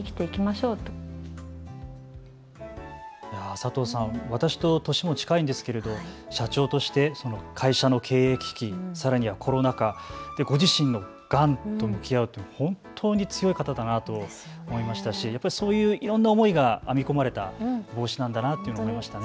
佐藤さん、私と年も近いんですけれど社長として会社の経営危機、さらにはコロナ禍、ご自身のがんと向き合うって本当に強い方だなと思いましたしそういういろんな思いが編み込まれた帽子なんだなと思いましたね。